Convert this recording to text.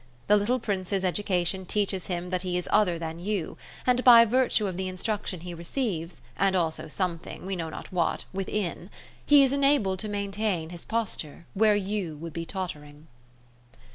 The little prince's education teaches him that he is other than you, and by virtue of the instruction he receives, and also something, we know not what, within, he is enabled to maintain his posture where you would be tottering.